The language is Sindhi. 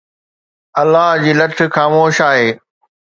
الله جي لٺ خاموش آهي.